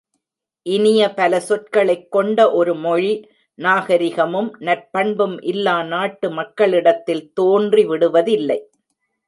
இனிய பல சொற்களைக் கொண்ட ஒரு மொழி, நாகரிகமும் நற்பண்பும் இல்லா நாட்டு மக்களிடத்தில் தோன்றி விடுவதில்லை.